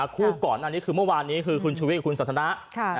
คู่ก่อนอันนี้คือเมื่อวานนี้คือคุณชูวิทย์คุณสันทนะ